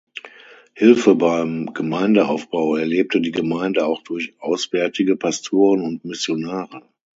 Hilfe beim Gemeindeaufbau erlebte die Gemeinde auch durch auswärtige Pastoren und Missionare.